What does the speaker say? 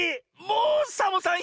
もうサボさん